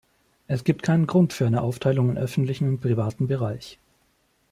Es gibt keinen Grund für eine Aufteilung in öffentlichen und privaten Bereich.